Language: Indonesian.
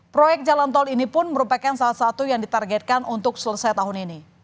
proyek jalan tol ini pun merupakan salah satu yang ditargetkan untuk selesai tahun ini